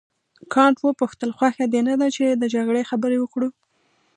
کانت وپوښتل خوښه دې نه ده چې د جګړې خبرې وکړو.